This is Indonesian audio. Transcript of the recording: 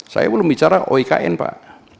saya belum bicara oikn pak